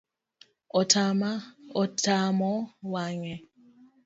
Otamo wang’e